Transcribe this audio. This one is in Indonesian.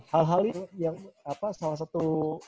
hal hal yang salah satu